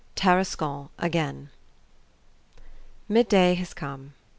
Tarascon again! MID DAY has come.